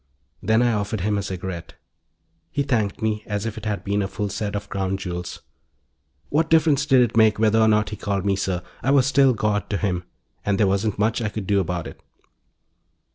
Then I offered him a cigarette. He thanked me as if it had been a full set of Crown Jewels. What difference did it make whether or not he called me "Sir"? I was still God to him, and there wasn't much I could do about it.